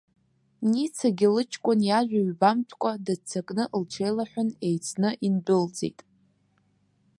Ницагьы лыҷкәын иажәа ҩбамтәкәа, дыццакны лҽеилалҳәан, еицны индәылҵит.